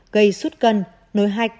gây suốt cân nối hai cây